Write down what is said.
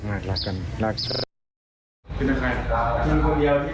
คุณเป็นใครครับคุณคนเดียวที่บ้านแต่เห็นไม่ค่อยมีเกิด